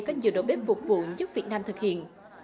có nhiều đồ bếp vụt vụn giúp việt nam thực hiện